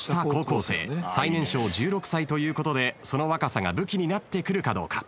最年少１６歳ということでその若さが武器になってくるかどうか。